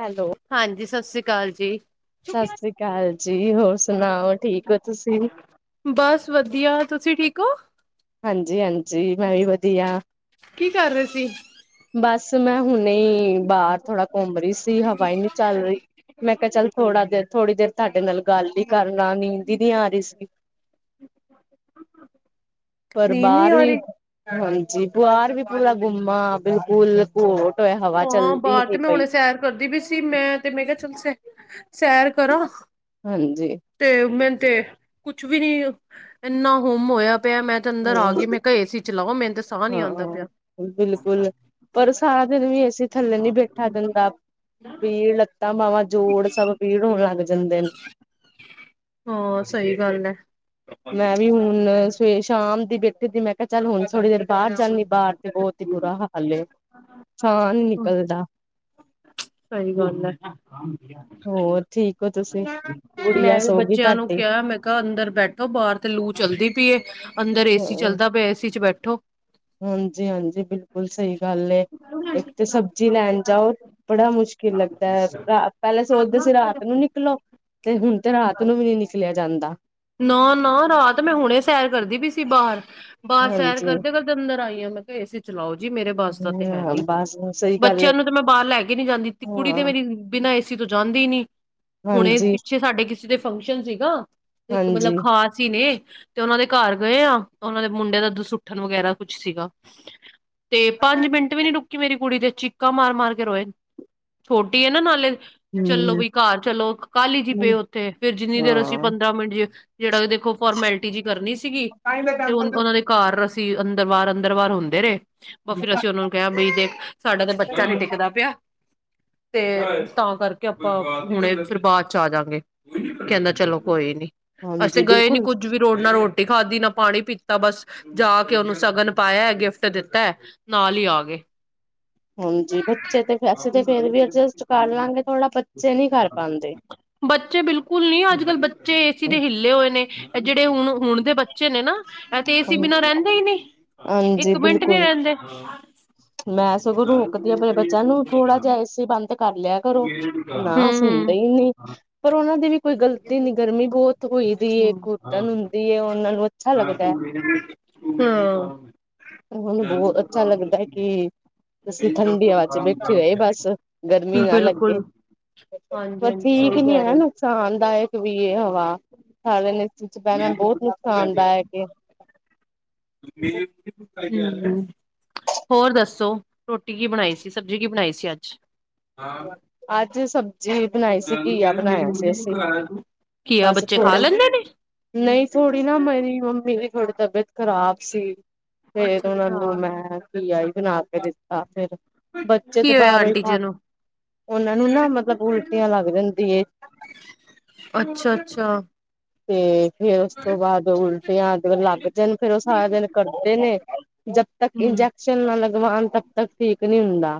Hello, ਹਾਂਜੀ ਸਤਿ ਸ੍ਰੀ ਅਕਾਲ ਜੀ ਸਤਿ ਸ੍ਰੀ ਅਕਾਲ ਜੀ ਹੋਰ ਸੁਣਾਓ ਠੀਕ ਹੋ ਤੁਸੀਂ ਬਸ ਵਧੀਆ ਤੁਸੀਂ ਠੀਕ ਹੋ ਹਾਂਜੀ ਹਾਂਜੀ ਮੈਂ ਵੀ ਵਧੀਆ ਕੀ ਕਰ ਰਹੇ ਸੀ ਬਸ ਮੈਂ ਹੁਣੇ ਬਾਹਰ ਥੋੜਾ ਘੁੰਮ ਰਹੀ ਸੀ ਹਵਾਈ ਨਹੀਂੀ ਚੱਲ ਰਹੀ ਮੈਂ ਕਿਹਾ ਚੱਲ ਥੋੜਾ ਦੇਰ ਥੋੜੀ ਦੇਰ ਤੁਹਾਡੇ ਨਾਲ ਗੱਲ ਹੀ ਕਰ ਲ ਨੀ ਦੀ ਨ ਆ ਰਹੀ ਸੀ ਪਰ ਨੀਂਦ ਨੀ ਬਾਹਰ ਆ ਵੀ ਰਹੀ ਹਾਂਜੀ ਜੀ ਬਆਰ ਵੀ ਪੂਰਾ ਗੁੰਮਾ ਬਿਲਕੁਲ ਘਟ ਹਾਂ ਬਾਹਰ ਤੇ ਮੈਂ ਹੁਣੇ ਸੈਰ ਕਰਦੀ ਵੀ ਸੀ ਮੈਂ ਤੇ ਮੈਂ ਕਿਹਾ ਚਲ ਸੈ ਸੈਰ ਕਰਾਂ ਹਾਂਜੀ, ਤੇ ਮੈ ਤੇ ਕੁਛ ਵੀ ਨੀ ਇੰਨਾ ਹੁੰਮ ਹੋਇਆ ਪਿਆ ਮੈਂ ਤੇ ਅੰਦਰ ਆ ਗਈ ਮੈਂ ਕਿਹਾ ਏ ਸੀ ਚ ਲਓ ਮਨੂੰ ਹਾਂ ਬਿਲਕੁਲ ਪਰ ਸਾਰਾ ਦਿਨ ਵੀ ਅਸੀਂ ਥੱਲੇ ਨੀ ਬੈਠਾ ਦਿੰਦਾ ਪੀੜ ਲੱਤਾਂ ਬਾਵਾਂ ਜੋੜ ਸਭ ਪੀੜ ਹੋਣ ਲੱਗ ਗ ਹਾਂ ਸਹੀ ਗੱਲ ਹੈ ਮੈਂ ਵੀ ਹੁਣ ਸਵੇ ਸ਼ਾਮ ਦੀ ਬੈਠੇ ਦੀ ਮੈਂ ਕਿਹਾ ਚੱਲ ਹੁਣ ਥੋੜੀ ਦੇਰ ਬਾਹਰ ਜਾਂਦੀ ਬਾਹਰ ਤੇ ਬਹੁਤ ਹੀ ਬੁਰਾ ਹਾਲ ਛਾਹ ਨਿਕਲਦਾ ਸਹੀ ਗੱਲ ਹੈ ਹੋਰ ਠੀਕ ਹੋ ਤੁਸੀਂ ਗੁੜੀਆ ਮੈਂ ਵੀ ਸੋ ਗਈ ਬੱਚਿਆਂ ਨੂੰ ਤੁਹਾਡੀ ਕਿਹਾ ਮੈਂ ਕਿਹਾ ਅੰਦਰ ਬੈਠੋ ਬਾਹਰ ਤੇ ਲੂ ਚਲਦੀ ਪਈਏ ਅੰਦਰ ਏ ਸੀ ਚੱਲਦਾ ਪਿਆ ਏਸੀ ਚ ਬੈਠੋ ਹਾਂਜੀ ਹਾਂਜੀ ਬਿਲਕੁਲ ਸਹੀ ਗੱਲ ਏ ਇੱਕ ਤਾਂ ਸਬਜ਼ੀ ਲੈਣ ਜਾਓ ਬੜਾ ਮੁਸ਼ਕਿਲ ਕੀ ਲੱਗਦਾ ਹੈ ਰਾ ਪਹਿਲਾਂ ਸੋਚਦੇ ਸੀ ਰਾਤ ਨੂੰ ਨਿਕਲੋ ਤੇ ਹੁਣ ਤੇ ਰਾਤ ਨੂੰ ਵੀ ਨੀ ਨਿਕਲਿਆ ਜਾਂਦਾ ਨਾ ਨਾ ਰਾਤ ਮੈਂ ਹੁਣੇ ਸੈਰ ਕਰਦੀ ਪਈ ਸੀ ਬਾਹਰ ਬਾਹਰ ਸੈਰ ਹਾਂਜੀ। ਕਰਦੇ ਕਰਦੇ ਅੰਦਰ ਆਈ ਹਾਂ ਮੈਂ ਕਿਹਾ ਏਸੀ ਚਲਾਓ ਜੀ ਮੇਰੇ ਵਸ ਤਾਂ ਤੇ ਹੈ ਹਾਂ ਨੀ ਬਸ ਸਹੀ ਗੱਲ ਏ ਬੱਚਿਆਂ ਨੂੰ ਤੇ ਮੈਂ ਬਾਹਰ ਲੈ ਕੇ ਨੀ ਜਾਂਦੀ ਕੁੜੀ ਹਾਂ ਤੇ ਮੇਰੀ ਬਿਨਾਂ ਏਸੀ ਤੋਂ ਜਾਂਦੇ ਨੀ ਹੁਣੇ ਹਾਂਜੀ-ਹਾਂਜੀ। ਪਿੱਛੇ ਸਾਡੇ ਕਿਸੇ ਦੇ ਫੰਕਸ਼ਨ ਸੀਗਾ ਇੱਕ ਮਤਲਬ ਖਾਸ ਹੀ ਨੇ ਤੇ ਉਹਨਾਂ ਦੇ ਘਰ ਗਏ ਆ ਉਹਨਾਂ ਦੇ ਮੁੰਡੇ ਦਾ ਦਸੁੱਠਣ ਵਗੈਰਾ ਕੁਛ ਸੀਗਾ ਤੇ ਪੰਜ ਮਿੰਟ ਵੀ ਨੀ ਹੂੰ, ਰੁਕੀ ਮੇਰੀ ਕੁੜੀ ਤੇ ਚੀਕਾਂ ਮਾਰ ਮਾਰ ਕੇ ਰੋਏ ਛੋਟੀ ਹੈ ਨਾ ਨਾਲੇ ਚਲੋ ਬਈ ਘਰ ਚਲੋ ਕਾਹਲੀ ਹੀ ਜੀ ਪਏ ਉੱਥੇ ਫੇਰ ਜਿੰਨੀ ਦੇਰ ਅਸੀਂ ਹਾਂ। ਪੰਦਰਾਂ ਮਿੰਟ ਜੇ ਜਿਹੜਾ ਕਿ ਦੇਖੋ ਫੋਰਮੈਲਿਟੀ ਜਿ ਕਰਨੀ ਸੀਗੀ ਤੇ ਉਹ ਉਹਨਾਂ ਦੇ ਘਰ ਅੰਦਰ ਵਾਰ ਅੰਦਰ ਵਾਰ ਹੁੰਦੇ ਰਹੇ ਬਹ ਫਿਰ ਅਸੀਂ ਉਹਨਾ ਨੂੰ ਕਿਹਾ ਬਈ ਦੇਖ ਸਾਡਾ ਤਾਂ ਬੱਚਾ ਨੀ ਟਿੱਕਦਾ ਪਿਆ ਤੇ ਤਾਂ ਕਰਕੇ ਆਪਾਂ ਹੁਣੇ ਫਿਰ ਬਾਅਦ ਚ ਆ ਜਾਂਗੇ ਕਹਿੰਦਾ ਚਲੋ ਕੋਈ ਨੀ ਅਸੀਂ ਤੇ ਹਾਂਜੀ, ਗਏ ਨੀ ਬਿਲਕੁਲ ਕੁੱਝ ਵੀ ਰੋਡ ਨਾਲ ਰੋਡ ਰੋਟੀ ਖਾਧੀ ਨਾ ਪਾਣੀ ਪੀਤਾ ਬਸ ਜਾ ਕੇ ਉਹਨੂੰ ਸ਼ਗਨ ਪਾਇਆ ਗਿਫਟ ਦਿੱਤਾ ਨਾਲ ਹੀ ਆ ਗਏ ਹਾਂਜੀ, ਬੱਚੇ ਤੇ ਅਸੀਂ ਤੇ ਫੇਰ ਵੀ ਅਡਜਸਟ ਕਰ ਲਾਂਗੇ ਥੋੜ੍ਹਾ ਬੱਚੇ ਨਹੀਂ ਕਰ ਪਾਂਦੇ। ਬੱਚੇ ਬਿਲਕੁਲ ਨੀ ਅੱਜ ਕੱਲ੍ਹ ਬੱਚੇ ਏ ਸੀ ਦੇ ਹਿੱਲੇ ਹੋਏ ਨੇ ਜਿਹੜੇ ਹੁਣ ਹੁਣ ਦੇ ਬੱਚੇ ਨੇ ਨਾ ਇਹ ਤੇ ਏਸੀ ਬਿਨਾ ਰਹਿੰਦੇ ਹੀ ਨਹੀਂ ਹਾਂਜੀ, ਇੱਕ ਮਿੰਟ ਨੀ ਬਿਲਕੁਲ ਰਹਿੰਦੇ ਮੈਂ ਸਗੋਂ ਰੋਕਦੀ ਆ ਮਰੇ ਬੱਚਿਆਂ ਨੂੰ ਥੋੜਾ ਜਿਹਾ ਏਸੀ ਬੰਦ ਕਰ ਲਿਆ ਕਰੋ ਨਾ ਸੁਣਦੇ ਹੂੰ ਹੀ ਨਹੀਂ ਪਰ ਉਹਨਾਂ ਦੀ ਕੋਈ ਗਲਤੀ ਨੀ ਗਰਮੀ ਬਹੁਤ ਹੋਈ ਦੀ ਹੂੰ ਘੁਟਣ ਹੁੰਦੀ ਉਹਨਾਂ ਨੂੰ ਅੱਛਾ ਲੱਗਦਾ ਹੈ ਹਾਂ ਹੁਨ ਬਹੁਤ ਅੱਛਾ ਲੱਗਦਾ ਕਿ ਅਸੀਂ ਠੰਡੀ ਹਵਾ ਚ ਬੈਠੀ ਹੋਏ ਬਸ ਗਰਮੀ ਨਾ ਲੱਗੇ ਬਿਲਕੁਲ ਹਾਂਜੀ ਪਰ ਹਾਂਜੀ ਠੀਕ ਸਹੀ ਨੀ ਕਹਿ ਹੈ ਰਹੇ ਨੁਕਸਾਨਦਾਇਕ ਵੀ ਇਹ ਹਵਾ ਵਿੱਚ ਪਹਿਣਾ ਬਹੁਤ ਨੁਕਸਾਨਦਾ ਹੈ ਕਿ [inaudible] ਹਮ ਹੋਰ ਦੱਸੋ ਰੋਟੀ ਕੀ ਬਣਾਈ ਸੀ ਸਬਜ਼ੀ ਕੀ ਬਣਾਈ ਸੀ ਅੱਜ ਅੱਜ ਸਬਜ਼ੀ ਬਣਾਈ ਸੀ ਘੀਆ ਬਣਾਇਆ ਸੀ ਅਸੀਂ ਘੀਆ ਬਸ ਬੱਚੇ ਖਾ ਥੋੜ੍ਹੀ ਲੈਂਦੇ ਨੇ ਨਹੀਂ ਥੋੜ੍ਹੀ ਨਾ ਮੇਰੀ ਮੰਮੀ ਦੀ ਥੋੜੀ ਤਬੀਅਤ ਖ਼ਰਾਬ ਸੀ ਫੇਰ ਅੱਛਾ ਉਹਨਾਂ ਅੱਛਾ ਨੂੰ ਮੈਂ ਘੀਆ ਹੀ ਬਣਾ ਕੇ ਦਿੱਤਾ ਫਿਰ ਬੱਚੇ ਤੇ ਕੀ ਹੋਇਆ ਬਾਹਰੋਂ ਹੀ ਆਂਟੀ ਖਾ ਜੀ ਨੂੰ ਉਹਨਾਂ ਨੂੰ ਨਾ ਮਤਲਬ ਉਲਟੀਆਂ ਲੱਗ ਜਾਂਦੀ ਏ ਅੱਛਾ ਅੱਛਾ ਤੇ ਫੇਰ ਉਸ ਤੋਂ ਬਾਅਦ ਉਲਟੀਆਂ ਲੱਗ ਜਾਣ ਫੇਰ ਉਹ ਸਾਰਾ ਦਿਨ ਕਰਦੇ ਨੇ ਜਦ ਤੱਕ ਹੂੰ ਇੰਜੈਕਸ਼ਨ ਨਾ ਲਗਵਾਉਣ ਤਬ ਤੱਕ ਠੀਕ ਨਹੀਂ ਹੁੰਦਾ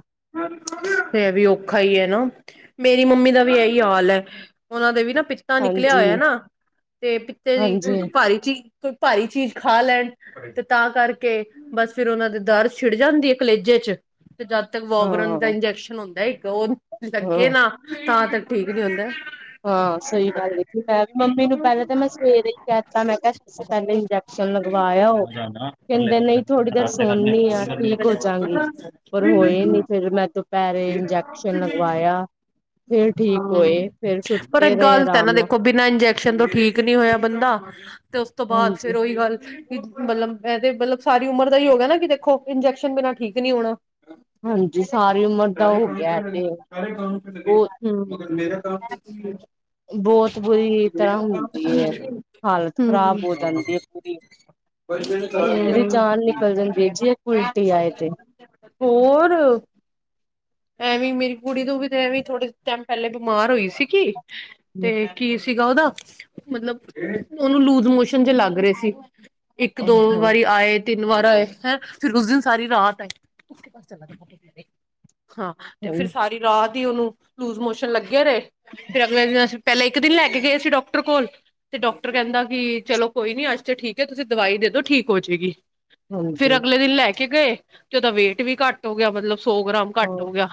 ਇਹ ਵੀ ਔਖਾ ਹੀ ਹੈ ਨਾ ਮੇਰੀ ਮੰਮੀ ਦਾ ਵੀ ਇਹੀ ਹਾਲ ਹੈ ਉਹਨਾਂ ਦੇ ਵੀ ਨਾ ਪਿੱਤਾ ਨਿਕਲਿਆ ਹੋਇਆ ਹਾਂਜੀ, ਨਾ, ਤੇ ਪਿੱਤੇ ਹਾਂਜੀ, ਦੀ ਭਾਰੀ ਚ ਹੀ ਕੋਈ ਭਾਰੀ ਚੀਜ਼ ਖਾ ਲੈਣ ਤੇ ਤਾਂ ਕਰਕੇ ਬਸ ਫਿਰ ਉਹਨਾਂ ਦੇ ਦਰ ਛਿੜ ਜਾਂਦੀ ਹੈ ਕਲੇਜੇ ਚ ਤੇ ਜਦ ਤ ਵੋਬਰਨ ਦਾ ਹਾਂ। ਇੰਜੈਕਸ਼ਨ ਹੁੰਦਾ ਇੱਕ ਉਹ ਲੱਗੇ ਹਾਂ, ਨਾ ਤਾਂ ਤੱਕ ਠੀਕ ਨੀ ਹੁੰਦਾ। ਹਾਂ ਸਹੀ ਗੱਲ, ਮੈਂ ਮੰਮੀ ਨੂੰ ਪਹਿਲਾਂ ਤਾਂ ਮੈਂ ਸਵੇਰੇ ਕਹਿਤਾ ਮੈਂ ਕਿਹਾ ਤੁਸੀਂ ਪਹਿਲੇ ਇਜੈਕ ਸ਼ਨ ਲਗਵਾਯਾਓ, ਕਹਿੰਦੇ ਨਹੀਂ ਥੋੜ੍ਹੀ ਦੇਰ ਸੋਣਨੀ ਆ ਠੀਕ ਹੋਜਗੀ ਪਰ ਹੋਏ ਨ ਫੇਰ ਮੈਂ ਦੁਪਹਿਰੇ ਇੰਜੈਕਸ਼ਨ ਲਗਵਾਇਆ ਫੇਰ ਠੀਕ ਹਾਂ ਹੋਏ। ਫੇਰ ਪਰ ਸੁੱਤੇ ਰਹੇ ਗਲਤ ਹੈ ਨਾ ਆਰਾਮ ਨਾਲ ਦੇਖੋ ਬਿਨਾਂ ਇੰਜੈਕਸ਼ਨ ਤੋਂ ਠੀਕ ਨਹੀਂ ਹੋਇਆ ਬੰਦਾ ਤੇ ਉਸ ਤੋਂ ਬਾਅਦ ਫੇਰ ਹਾਂਜੀ। ਉਹੀ ਗੱਲ ਮਤਲਬ ਇਹਦੇ ਮਤਲਬ ਸਾਰੀ ਉਮਰ ਦਾ ਹੀ ਹੋ ਗਿਆ ਨਾ ਕਿ ਦੇਖੋ ਇੰਜੈਕਸ਼ਨ ਬਿਨਾਂ ਠੀਕ ਨਹੀਂ ਹੋਣਾ। ਹਾਂਜੀ ਸਾਰੀ ਉਮਰ ਦਾ ਹੋ ਗਿਆ ਇਹ ਤੇ ਉਹ ਹੁੰ। ਬਹੁਤ ਬੁਰੀ ਤਰ੍ਹਾਂ ਹਮ ਹੁੰਦੀ ਏ। ਹਾਲਤ ਖ਼ਰਾਬ ਹੋ ਜਾਂਦੀ ਹੈ ਪੂਰੀ। ਬੰਦੇ ਦੀ ਜਾਨ ਨਿਕਲ ਜਾਂਦੀ ਹੈ ਜੇ ਉਲਟੀ ਆਏ ਤੇ। [inaudible] ਹੋਰ ਐਵੇਂ ਮੇਰੀ ਕੁੜੀ ਨੂੰ ਵੀ ਤੇ ਐਵੇਂ ਥੋੜੇ ਟਾਈਮ ਪਹਿਲੇ ਬਿਮਾਰ ਹੋਈ ਸੀਗੀ ਹਮ ਤੇ ਕੀ ਸੀ ਸੀਗਾ ਉਹਦਾ ਮਤਲਬ ਉਹਨੂੰ ਲੂਜ ਮੋਸ਼ਨ ਜ ਲੱਗ ਰਹੇ ਸੀ। ਇੱਕ ਹਾਂ ਦੋ ਹਾਂ ਵਾਰੀ ਆਏ ਤਿੰਨ ਵਾਰ ਆਏਂ ਫਿਰ ਉਸ ਦਿਨ ਸਾਰੀ ਰਾਤ ਆਏ ਚ ਹਾਂ ਤੇ ਫਿਰ ਸਾਰੀ ਰਾਤ ਉਹਨੂੰ ਲੂਜ ਮੋਸ਼ਨ ਲੱਗਿਆ ਰਹੇ ਫਰ ਅਗਲੇ ਦਿਨ ਅਸੀਂ ਪਹਿਲਾਂ ਇੱਕ ਦਿਨ ਲੈ ਕੇ ਗਏ ਸੀ ਡਾਕਟਰ ਕੋਲ ਤੇ ਡਾਕਟਰ ਕਹਿੰਦਾ ਕਿ ਚਲੋ ਕੋਈ ਨੀ ਅੱਜ ਤੇ ਠੀਕ ਹੈ ਤੁਸੀਂ ਦਵਾਈ ਦੇ ਦੋ ਠੀਕ ਹੋ ਜੇਗੀ। ਫੇਰ ਹਾਂਜੀ ਅਗਲੇ ਦਿਨ ਲੈ ਕੇ ਗਏ ਤੇ ਉਹਦਾ ਵੇਟ ਵੀ ਘੱਟ ਹੋ ਗਿਆ ਮਤਲਬ ਸੌ ਗ੍ਰਾਮ ਹਾਂ ਘੱਟ ਹੋ ਗਿਆ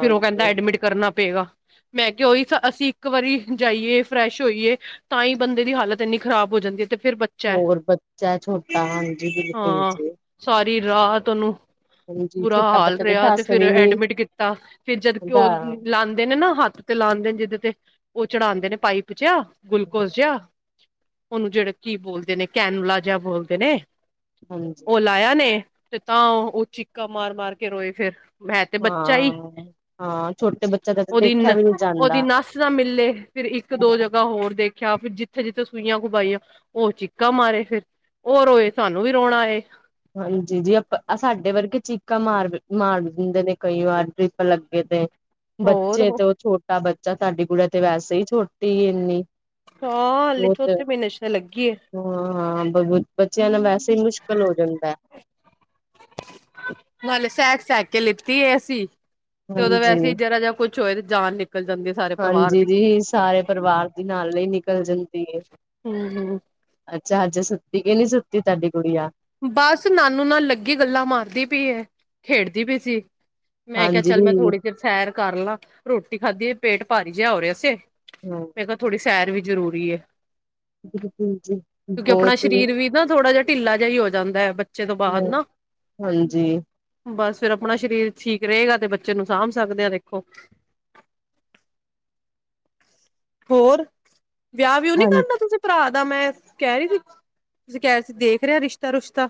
ਫੇਰ ਉਹ ਕਹਿੰਦਾ ਐਡਮਿਟ ਕਰਨਾ ਪਏਗਾ। ਮੈਂ ਕਿਹਾ ਉਹੀ ਅਸੀਂ ਇੱਕ ਵਾਰੀ ਜਾਈਏ ਫਰੈਸ਼ ਹੋਈਏ ਤਾਂ ਹੀ ਬੰਦੇ ਦੀ ਹਾਲਤ ਇੰਨੀ ਖ਼ਰਾਬ ਹੋ ਜਾਂਦੀ ਹੈ। ਤੇ ਫਿਰ ਬੱਚਾ ਹੈ ਹੋਰ ਬੱਚਾ ਛੋਟਾ ਹਾਂਜੀ ਬਿਲਕੁਲ ਜੀ। ਰਾਹ ਉਹਨੂੰ ਹਾਂਜੀ ਬੁਰਾ ਛੋਟਾ ਹਾਲ ਬੱਚਾ ਰਿਹਾ ਤੇ ਦੱਸ ਫਿਰ ਵੀ ਨੀ ਐਡਮਿਟ ਕੀਤਾ ਫਿਰ ਜਦ ਕਿ ਹੁੰਦਾ ਉਹ ਲਾਂਦੇ ਨੇ ਨਾ ਹੱਥ ਤੇ ਲਾਂਦੇ ਨੇ ਜਿਦੇ ਤੇ ਉਹ ਚੜਾਦੇ ਨੇ ਪਾਈਪ ਚ' ਗਲੂਕੋਜ ਜਿਹਾ ਉਨੂੰ ਜਿਹੜਾ ਕੀ ਬੋਲਦੇ ਨੇ, ਕੈਨਲਾ ਜਿਆ ਬੋਲਦੇ ਨੇ। ਹਾਂਜੀ ਉਹ ਲਾਇਆ ਨੇ ਤੇ ਤਾਂ ਉਹ ਚੀਕਾ ਮਾਰ, ਮਾਰ ਕੇ ਰੋਏ ਫੇਰ ਮੈਂ ਤੇ ਬ ਚਹੀ ਹਾਂ ਹਾਂ ਛੋਟੇ ਬੱਚਿਆਂ ਦਾ ਤਾਂ ਦੇਖਿਆ ਉਹਦੀਨ ਵੀ ਨਹੀਂ ਉਹਦੀ ਜਾਂਦਾ ਨੱਸ ਨਾ ਮਿਲੇ ਫਿਰ ਇੱਕ ਦੋ ਜਗ੍ਹਾ ਹੋਰ ਦੇਖਿਆ ਫਿਰ ਜਿੱਥੇ ਜਿੱਥੇ ਸੂਈਆਂ ਖੁਬਾਈਆਂ ਉਹ ਚੀਕਾ ਮਾਰੇ ਫਿਰ ਹੋ ਰੋਏ ਸਾਨੂੰ ਵੀ ਰੋਣਾ ਆਏ। ਹਾਂਜੀ ਜੀ ਆਪਾਂ ਸਾਡੇ ਵਰਗੇ ਚੀਕਾਂ ਮਾਰ ਮਾਰ ਦਿੰਦੇ ਨੇ ਕਈ ਵਾਰ ਦ੍ਰਿਪ ਲੱਗੇ ਤੇ ਹੋਰ ਬੱਚੇ ਹਾਂ ਤੇ ਉਹ ਛੋਟਾ ਬੱਚਾ ਸਾਡੀ ਕੁੜੀ ਤੇ ਵੈਸੇ ਹੀ ਛੋਟੀ ਹੀ ਇੰਨੀ ਹਾਂ ਹੱਲੇ ਬਹੁਤ ਚੋਥੇ ਮੀਨੇ ਚ ਤੇ ਲੱਗੀ ਏ ਹਾਂ ਹਾਂ ਬੱਚਿਆਂ ਨਾਲ ਵੈਸੇ ਹੀ ਮੁਸ਼ਕਿਲ ਹੋ ਜਾਂਦਾ ਹੈ। ਨਾਲੇ ਸੈਕ ਸੈਕ ਕੇ ਲਿੱਤੀ ਹੈ ਅਸੀਂ ਤੇ ਉਦੋਂ ਹਾਂਜੀ ਵੈਸੇ ਵਿ ਜ਼ਰਾ ਜਾਂ ਕੁਛ ਚਏ ਜਾਣ ਨ ਹਾਂਜੀ ਜੀ, ਸਾਰੇ ਪਰਿਵਾਰ ਦੀ ਨਾਲੇ ਨਿਕਲ ਜਾਂਦੀ ਹੈ। ਹੁੰ ਹੁੰ। ਚਹਾਜ ਸੁੱਤੀ ਕੇ ਨੀ ਸੁੱਤੀ ਤੁਹਾਡੀ ਗੁੜੀਆਂ। ਬਸ ਨਾਨੂ ਨਾਲ ਲੱਗੀ ਗੱਲਾਂ ਮਾਰਦੀ ਪਈ ਹੈ ਖੇਡਦੀ ਪਈ ਸੀ। ਮੈਂ ਕਿਹਾ ਹਾਂਜੀ ਚੱਲ ਮੈਂ ਦੀ ਥੋੜ੍ਹੀ ਚਿਰ ਸੈਰ ਕਰ ਲਾ ਰੋਟੀ ਖਾਧੀ ਪੇਟ ਭਾਰੀ ਜਿਹਾ ਹੋ ਰਿਹਾ ਸੀ। ਹਾਂ ਮੈਂ ਕਿਹਾ ਥੋੜ੍ਹੀ ਸੈਰ ਵੀ ਜ਼ਰੂਰੀ ਹੈ। ਬਿਲਕੁਲ ਜੀ ਕਿਉਂਕਿ ਆਪਣਾ ਬਹੁਤ ਸਰੀਰ ਵੀ ਨਾ ਥੋੜਾ ਜਿਹਾ ਢਿੱਲਾ ਜਿਹਾ ਹੀ ਹੋ ਜਾਂਦਾ ਹੈ ਬੱਚੇ ਤੋਂ ਬਾਅਦ ਨਾ ਹਾਂਜੀ ਬਸ ਫਿਰ ਆਪਣਾ ਸਰੀਰ ਠੀਕ ਰਹੇਗਾ ਤੇ ਬੱਚੇ ਨੂੰ ਸਾਂਭ ਸਕਦੇ ਹਾਂ ਦੇਖੋ। ਹੋਰ ਵਿਆਹ ਵਿਉ ਨੀ ਹਾਂ ਕਰਨਾ ਤੁਸੀਂ ਭਰਾ ਤਾਂ ਮੈਂ ਕਹਿ ਰਹੀ ਸੀ ਤੁਸੀਂ ਕਹਿ ਰਹੀ ਸੀ ਦੇਖ ਰਿਹਾ ਰਿਸ਼ਤਾ-ਰੁਸ਼ਤਾ?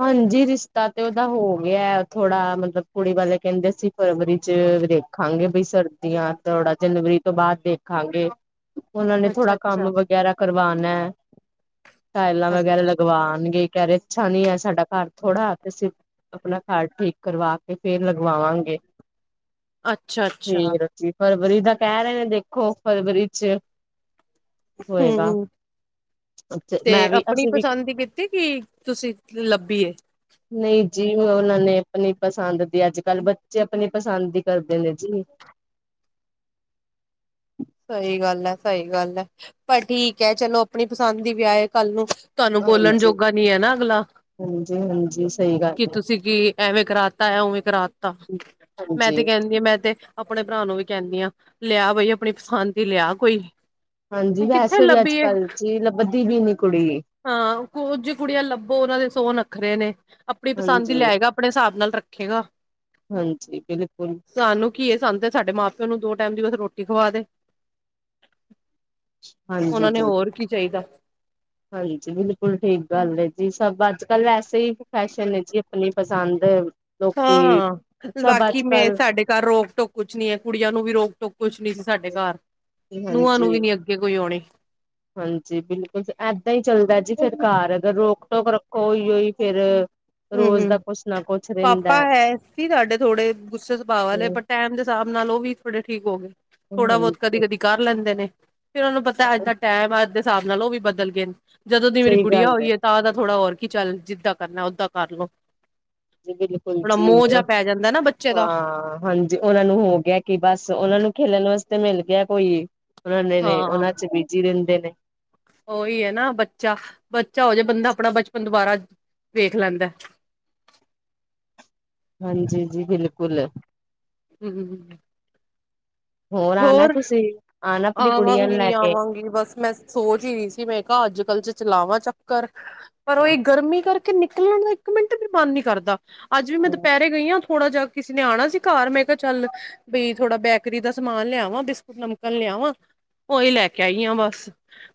ਹਾਂਜੀ। ਰਿਸ਼ਤਾ ਤੇ ਓਦਾ ਹੋ ਗਿਆ। ਥੋੜਾ ਮਤਲਬ, ਕੁੜੀ ਵਾਲੇ ਕਹਿੰਦੇ ਸੀ ਫਰਵਰੀ ਚ ਦੇਖਾਂਗੇ, ਬਈ ਸਰਦੀਆਂ ਥੋੜਾ ਜਨਵਰੀ ਤੋਂ ਬਾਅਦ ਦੇਖਾਂਗੇ। ਉਹਨਾਂ ਨੇ ਅੱਛਾ ਥੋੜਾ ਕੰਮ ਅੱਛਾ ਵਗੈਰਾ ਕਰਵਾਉਣਾ ਟਾਇਲਾਂ ਅੱ ਵਗੈਰਾ ਲਗਵਾਉਣਗੇ ਕਰੇਟ ਛਾਨੀ ਸਾਡਾ ਘਰ ਥੋੜ੍ਹਾ ਤੇ ਅਸੀਂ ਆਪਣਾ ਘਰ ਠੀਕ ਕਰਵਾ ਕੇ ਫੇਰ ਲਗਵਾਵਾਂਗੇ ਅੱਛਾ, ਅੱਛਾ। ਫੇਰ ਅਸੀਂ ਫਰਵਰੀ ਦਾ ਕਹਿ ਰਹੇ ਨੇ, ਦੇਖੋ ਫਰਵਰੀ ਚ' ਹੋਏਗਾ। ਹੂੰ ਤੇ ਮੈਂ ਵੀ ਆਪਣੀ ਅਸੀਂ ਵੀ ਪਸੰਦ ਹੀ ਕੀਤੀ ਕਿ, ਤੁਸੀਂ ਲੱਭ ਨਈ ਜੀ ਮੈਂ ਉਹਨਾਂ ਨੇ ਆਪਣੀ ਪਸੰਦ ਦੀ ਅੱਜ- ਕੱਲ੍ਹ ਬੱਚੇ ਆਪਣੀ ਪਸੰਦ ਦੀ ਕਰਦੇ ਨੇ ਜੀ। [unintelligible] ਸਹੀ ਗੱਲ ਹੈ, ਸਹੀ ਗੱਲ ਹੈ। ਪਰ ਠੀਕ ਹੈ, ਚਲੋ ਆਪਨੀ ਪਸੰਦ ਦੀ ਵਿਆਹ ਈ ਕੱਲ ਨੂੰ ਤੁਹਾਨੂੰ ਬੋਲਣ ਹਾਂਜੀ, ਜੋਗਾ ਨੀ ਐ ਨਾ ਅਗਲਾ। ਹਾਂਜੀ, ਹਾਂਜੀ ਸਹੀ ਗੱਲ ਕੀ ਤੁਸੀਂ ਕੀ ਐਵੇਂ ਕਰਾਤਾ ਉਵੇਂ ਕਰਾਤਾ। ਹੈ। ਮੈਂ ਤੇ ਹਾਂਜੀ, ਕਹਿੰਦੀ ਆ, ਮੈਂ ਤੇ ਆਪਣੇ ਭਰਾ ਨੂੰ ਵੀ ਕਹਿੰਦੀ ਆ ਲੇਆ ਬਈ ਆਪਣੀ ਪਸੰਦ ਦੀ ਲਿਆ ਕੋਈ। ਹਾਂਜੀ ਕਿੱਥੇ ਵੈਸੇ ਵੀ ਅੱਜ ਲੱਭੀਏ ਕੱਲ ਜੀ ਲੱਬਦੀ ਵੀ ਨੀ ਕੁੜੀ। ਹਾਂ ਕੁੱਝ ਕੁੜੀਆਂ ਲੱਭੋ ਉਹਨਾ ਦੇ ਸੋ ਰੱਖ ਰਹੇ ਨੇ ਆਪਣੀ ਪਸੰਦ ਹੀ ਹਾਂਜੀ, ਲਏਗਾ। ਆਪਣੇ ਹਿਸਾਬ ਨਾਲ ਰੱਖੇਗਾ। ਹਾਂਜੀ, ਬਿਲਕੁਲ। ਸਾਨੂੰ ਕੀ [inaudible] ਸਾਡੇ ਮਾਂ ਪਿਓ ਨੂੰ ਦੋ ਟਾਈਮ ਦੀ ਬਸ ਰੋਟੀ ਖਵਾ ਦੇ। ਹਾਂਜੀ ਉਹਨਾ ਨੇ ਜੀ। ਹੋਰ ਕੀ ਚਾਈਦਾ? ਹਾਂਜੀ ਬਿਲਕੁਲ ਠੀਕ ਗੱਲ ਏ ਜੀ। ਸਭ ਅੱਜ ਕੱਲ ਐਸੇ ਹੀ ਫੈਸ਼ਨ ਹੈ ਜੀ ਆਪਣੀ ਪਸੰਦ ਲੋਕੀ ਹਾਂ ਸਭ ਅੱਜ ਬਾਕੀ ਮੈਂ ਕੱਲ ਸਾਡੇ ਘਰ ਰੋਕ-ਟੋਕ ਕੁਛ ਨੀ ਐ ਕੁੜੀਆਂ ਨੂੰ ਵੀ ਰੋਕ-ਟੋਕ ਕੁਛ ਨੀ ਸੀ ਸਾਡੇ ਘਰ। ਨੂਆ ਨੂੰ ਹਾਂਜੀ ਵੀ ਨੀ ਅੱਗੇ ਕੋਈ ਆਉਣੀ। ਹਾਂਜੀ ਬਿਲਕੁਲ, ਏਦਾ ਈ ਚੱਲਦਾ ਜੀ ਫਿਰ ਘਰ ਅਗਰ ਰੋਕ-ਟੋਕ ਰੱਖੋ ਓਈ, ਓਈ ਫਿਰ ਹਮ ਰੋਜ਼ ਦਾ ਹਮ ਕੁਛ ਨਾ ਪਾਪਾ ਹੈ ਸੀ, ਸਾਡੇ ਥੋੜੇ ਗੁੱਸੇ ਸੁਭਾਅ ਵਾਲੇ ਪਰ ਟਾਈਮ ਦੇ ਹਿਸਾਬ ਨਾਲ ਉਹ ਵੀ ਥੋੜੇ ਠੀਕ ਹੋ ਗਏ ਥੋੜਾ ਬਹੁਤ ਕਦੀ-ਕਦੀ ਕਰ ਲੈਂਦੇ ਨੇ ਫਿਰ ਉਹਨੂੰ ਪਤਾ ਹਜੇ ਤਾ ਟਾਈਮ ਆ, ਅੱਜ ਦੇ ਹਿਸਾਬ ਨਾਲ ਉਹ ਵੀ ਬਦਲਗੇ। ਜਦੋਂ ਦੀ ਮੇਰੀ ਸਹੀ ਗੁੜੀਆ ਗੱਲ ਹੋਈ ਹੈ ਤਾਂ ਉਹਦਾ ਥੋੜਾ ਹੋਰ ਕਿ ਚੱਲ ਜਿੱਦਾਂ ਕਰਨਾ ਓਦਾਂ ਕਰਲੋ ਜੀ, ਬਿਲਕੁਲ ਜੀ ਹਾ, ਨਾ ਬੱਚੇ ਦਾ ਹਾਂਜੀ ਉਹਨਾਂ ਨੂੰ ਹੋ ਗਿਆ ਕਿ ਬਸ। ਉਹਨਾਂ ਨੂੰ ਖੇਲਣ ਵਾਸਤੇ ਤੇ ਮਿਲ ਗਿਆ। ਕੋਈ ਉਹਨਾਂ ਹਾਂ ਨੇ ਉਹਨਾਂ ਚ ਬੀਜੀ ਰਹਿੰਦੇ ਨੇ। ਉਹੀ ਹੈ ਨਾ ਬੱਚਾ, ਬੱਚਾ ਹੋ ਜੇ। ਬੰਦਾ ਆਪਣਾ ਬਚਪਨ ਦੁਬਾਰਾ ਵੇਖ ਲੈਦਾਂ। [unintelligible] ਹਾਂਜੀ, ਜੀ ਬਿਲਕੁਲ ਹੂੰ, ਹੂੰ, ਹੂੰਅ ਹੋਰ ਆਣਾ ਤੁਸੀਂ? ਆਣਾ ਆਪਣੀ ਕੁੜੀਆਂ ਨੂੰ ਆਵਾਂਗੀ, ਲੈ ਕੇ ਆਵਾਂਗੀ, ਬਸ ਮੈਂ ਸੋਚ ਈ ਰਹੀ ਸੀ। ਮੈਂ ਕਿਹਾ ਅੱਜ-ਕੱਲ ਚ ਚਲਾਵਾਂ ਚੱਕਰ ਪਰ, ਉਹ ਇਹ ਗਰਮੀ ਕਰਕੇ ਨਿਕਲਣ ਦਾ ਇੱਕ ਮਿੰਟ ਵੀ ਮਨ ਨੀ ਕਰਦਾ। ਅੱਜ ਵੀ ਮੈਂ ਹਾਂਜੀ ਦੁਪਹਿਰੇ ਗਈ ਆ। ਥੋੜ੍ਹਾ ਜਿਹਾ ਕਿਸੇ ਨੇ ਆਣਾ ਸੀ ਘਰ। ਮੈਂ ਕਿਹਾ ਚੱਲ ਬਈ ਥੋੜਾ ਬੈਕਰੀ ਦਾ ਸਮਾਨ ਲਿਆਵਾਂ ਬਿਸਕੁਟ ਨਮਕਨ ਲਿਆਵਾਂ ਓਹੀ ਲੈ ਕੇ ਆਈ ਆਂ ਬਸ।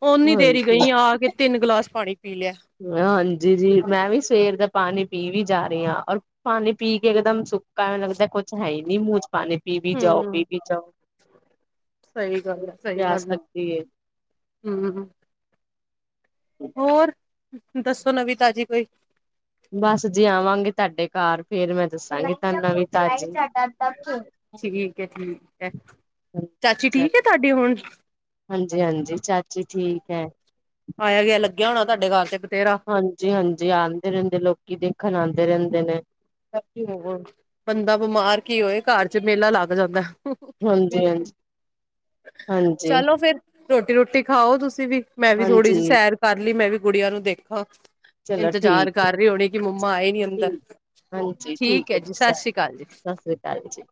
ਓਨੀ ਦੇਰ ਈ ਗਈ ਆ ਕੇ ਤਿੰਨ ਗਲਾਸ ਪਾਣੀ ਪੀ ਲਿਆ ਹਾਂਜੀ ਜੀ, ਮੈਂ ਵੀ ਸਵੇਰ ਦਾ ਪਾਨੀ ਪੀ ਵੀ ਜਾ ਰਏ ਆ। ਔਰ ਪਾਨੀ ਪੀ ਕੇ ਇੱਕਦਮ ਸੁੱਕਾ ਲੱਗਦਾ ਕੁੱਛ ਹੈ ਹੀ ਨੀ ਮੂੰਅ ਚ'। ਪਾਣੀ ਪੀ ਵੀ ਜਾਓ, ਹਮ ਪੀ ਵੀ ਜਾਓ। ਸਹੀ ਬ ਗੱਲ ਹੈ ਸਹੀ ਪਿਆਸ ਗੱਲ ਲੱਗਦੀ ਹੈ। ਹਮ ਹੋਰ ਦੱਸੋ ਨਵੀਂ ਤਾਜ਼ੀ ਕੋਈ ਬਸ ਜੀ ਆਵਾਂਗੇ ਤੁਹਾਡੇ ਘਰ ਫੇਰ ਮੈਂ ਦੱਸਾਂਗੀ ਤੁਹਾਨੂੰ ਵੀਂ ਤਾਜ਼ੀ ਠੀਕ ਹੈ, ਠੀਕ ਹੈ ਚਾਚੀ ਠੀਕ ਹੈ ਤੁਹਾਡੇ ਹੁਣ ਹਾਂਜੀ-ਹਾਂਜੀ ਚਾਚੀ ਠੀਕ ਹੈ। ਆਇਆ ਗਿਆ ਲੱਗਿਆ ਹੋਣਾ ਤੁਹਾਡੇ ਘਰ ਤੇ ਬਥੇਰਾ ਹਾਂਜੀ-ਹਾਂਜੀ ਆਦੇ ਰਹਿੰਦੇ ਲੋਕੀ ਦੇਖਣ ਆਦੇ ਰਹਿੰਦੇ ਨੇ, ਹਾਂਜੀ ਹੋ ਬੰਦਾ ਬਿਮਾਰ ਕੀ ਹੋਏ ਘਰ ਚ ਮੇਲਾ ਲੱਗ ਜਾਂਦਾ। ਹਾਂਜੀ, ਹਾਂਜੀ, ਹਾਂਜੀ ਚਲੋ ਫੇਰ ਰੋਟੀ ਰੁਟੀ ਖਾਓ ਤੁਸੀਂ ਵੀ ਮੈਂ ਵੀ ਥੋੜ੍ਹੀ ਜਿਹੀ ਹਾਂਜੀ ਸੈਰ ਕਰ ਲਈ ਮੈਂ ਵੀ ਕੁੜੀਆਂ ਨੂੰ ਦੇਖਾ ਚਲੋ ਠੀਕ ਇੰਤਜ਼ਾਰ ਕਰ ਰਹੇ ਹੋਣੇ ਕਿ ਮੰਮਾ ਆਏ ਨੀ ਅੰਦਰ। ਠੀਕ ਹੈ ਜੀ, ਸਤਿ ਸ਼੍ਰੀ ਅਕਾਲ ਜੀ। ਸ੍ਰੀ ਅਕਾਲ ਜੀ।